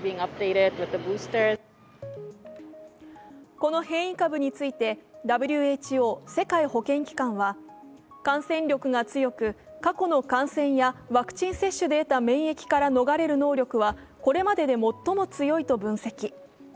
この変異株についてＷＨＯ＝世界保健機関は、感染力が強く、過去の感染やワクチン接種でえた免疫から逃れる能力はこれまでで最も強いと分析。